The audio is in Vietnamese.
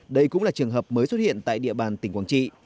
đây cũng là trường hợp mới xuất hiện tại địa bàn tỉnh quảng trị